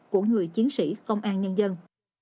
của người chiến sĩ công an nhân dân